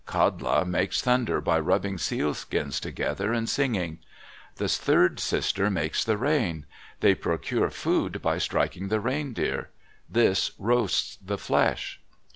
Kadla makes thunder by rubbing sealskins together and singing. The third sister makes the rain. They procure food by striking the reindeer. This roasts the flesh.